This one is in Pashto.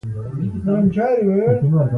ملک صاحب ډېر ظالم انسان دی